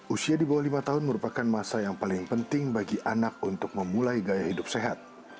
usia di bawah lima tahun merupakan masa yang paling penting bagi anak untuk memulai gaya hidup sehat